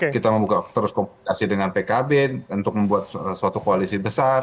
kita membuka terus komunikasi dengan pkb untuk membuat suatu koalisi besar